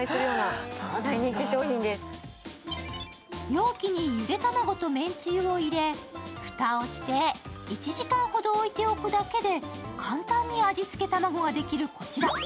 容器にゆで卵とめんつゆを入れ、蓋をして１時間ほど置いておくだけで簡単に味付けたまごができる、こちら。